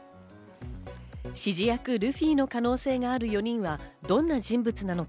指示役・ルフィの可能性がある４人はどんな人物なのか？